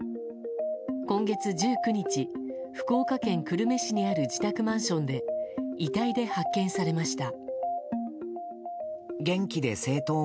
今月１９日福岡県久留米市にある自宅マンションで遺体で発見されました。